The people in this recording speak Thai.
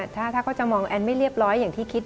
ถ้าเขาจะมองแอนไม่เรียบร้อยอย่างที่คิด